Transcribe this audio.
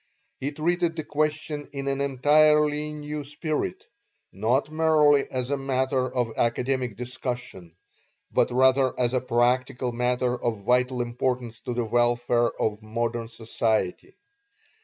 He treated the question in an entirely new spirit, not merely as a matter of academic discussion, but rather as a practical matter of vital importance to the welfare of modern society.